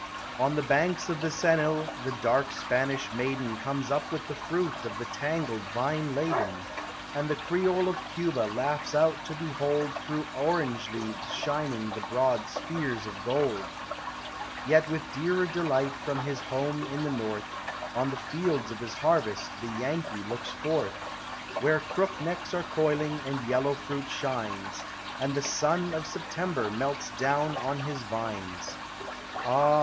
On the banks of the Xenil, the dark Spanish maiden Comes up with the fruit of the tangled vine laden ; And the Creole of Cuba laughs out to behold Through orange leaves shining the broad spheres of gold; Yet with dearer delight from his home in the North, On the fields of his harvest the Yankee looks forth. Where crook necks are coiling and yellow fruit shines, And the sun of September melts down on his vines. TREES: FLOWERS: PLANTS. 271 Ah!